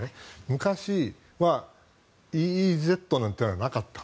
昔はＥＥＺなんていうのはなかった。